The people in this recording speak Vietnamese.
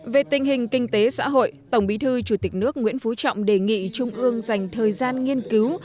về tình hình kinh tế xã hội tổng bí thư chủ tịch nước nguyễn phú trọng đề nghị trung ương dành thời gian nghiên cứu